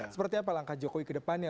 seperti apa langkah jokowi kedepannya